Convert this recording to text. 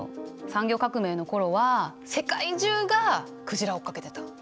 産業革命の頃は世界中が鯨を追っかけてたの。